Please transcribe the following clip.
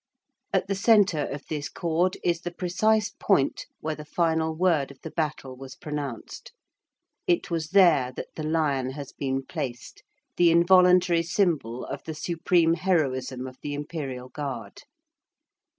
At the centre of this chord is the precise point where the final word of the battle was pronounced. It was there that the lion has been placed, the involuntary symbol of the supreme heroism of the Imperial Guard.